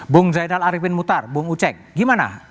bung zaidal arifin mutar bung u ceng gimana